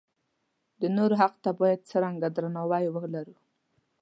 د نورو حق ته باید څنګه درناوی ولرو.